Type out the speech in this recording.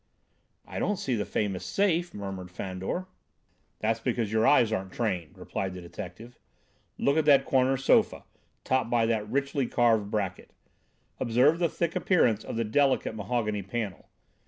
"I don't see the famous safe," Murmured Fandor. "That's because your eyes aren't trained," replied the detective. "Look at that corner sofa, topped by that richly carved bracket. Observe the thick appearance of the delicate mahogany panel.